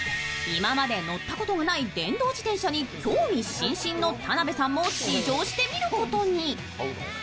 今まで乗ったことがない電動自転車に興味津々の田辺さんも試乗してみることに。